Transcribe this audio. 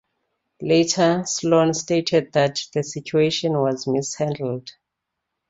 Later, Sloan stated that the situation was "mishandled".